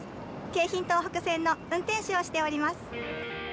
京浜東北線の運転士をしております。